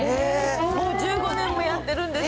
もう１５年もやってるんです。